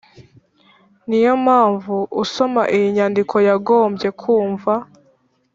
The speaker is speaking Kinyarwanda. niyompamvu, usoma iyi nyandiko yagombye kumva